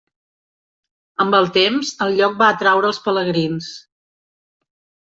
Amb el temps el lloc va atraure els pelegrins.